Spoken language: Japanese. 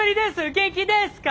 元気ですか？